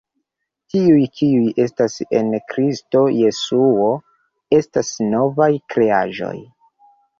Tiuj, kiuj estas en Kristo Jesuo estas novaj kreaĵoj.